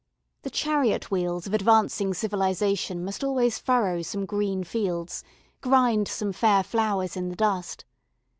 The chariot wheels of advancing civilisation must always furrow some green fields, grind some fair flowers in the dust.